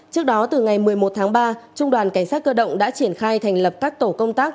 trước đó từ ngày một mươi một tháng ba trung đoàn cảnh sát cơ động đã triển khai thành lập các tổ công tác